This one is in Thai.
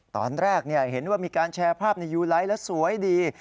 ตอนแรกเห็นว่ามีการแชร์ภาพในยูไลท์แล้วสวยดี